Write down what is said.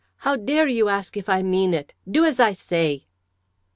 How dare you ask if I mean it? Do as I say!"